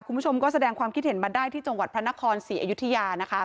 คุณผู้ชมก็แสดงความคิดเห็นมาได้ที่จังหวัดพระนครศรีอยุธยานะคะ